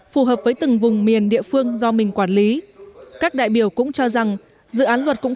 phù hợp với từng vùng miền địa phương do mình quản lý các đại biểu cũng cho rằng dự án luật cũng